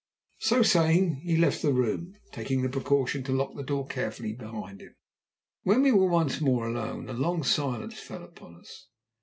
So saying he left the room, taking the precaution to lock the door carefully behind him. When we were once more alone, a long silence fell upon us.